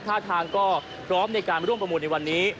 ท่าทางก็พร้อมในการร่วมประมูลในวันนี้